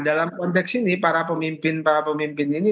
dalam konteks ini para pemimpin para pemimpin ini